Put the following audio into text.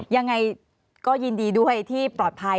ยังไงก็ยินดีด้วยที่ปลอดภัย